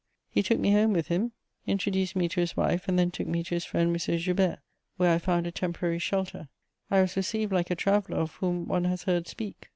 He took me home with him, introduced me to his wife, and then took me to his friend, M. Joubert, where I found a temporary shelter: I was received like a traveller of whom one has heard speak.